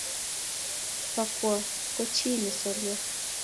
bokwo ko chi ne solwo